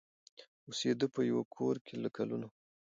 اوسېده په یوه کورکي له کلونو